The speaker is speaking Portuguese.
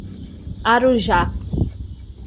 Arujá